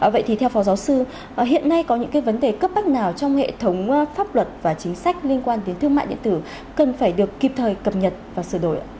vậy thì theo phó giáo sư hiện nay có những cái vấn đề cấp bách nào trong hệ thống pháp luật và chính sách liên quan đến thương mại điện tử cần phải được kịp thời cập nhật và sửa đổi